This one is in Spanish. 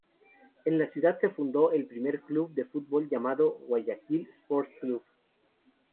En la ciudad se fundó el primer club de fútbol llamado Guayaquil Sport Club.